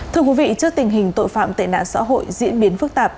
trước tình hình tội phạm tệ nạn xã hội diễn biến phức tạp